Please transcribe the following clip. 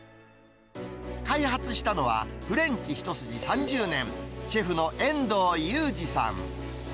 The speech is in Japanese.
開発したのは、フレンチ一筋３０年、シェフの遠藤雄二さん。